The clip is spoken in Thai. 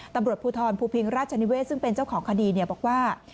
ตำรวจภูทรภูพิงราชนิเวศซึ่งเป็นเจ้าของคดีบอกว่า